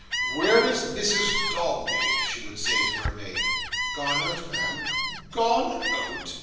"Where is Mrs Dombey?" she would say to her maid. "Gone out, Ma'am." "Gone out!